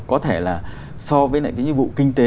có thể là so với lại những cái vụ kinh tế